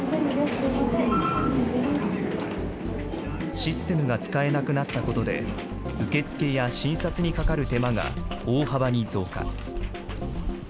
システムが使えなくなったことで、受け付けや診察にかかる手間が大幅に増加。